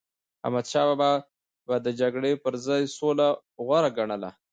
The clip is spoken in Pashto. احمدشاه بابا به د جګړی پر ځای سوله غوره ګڼله.